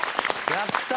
やった！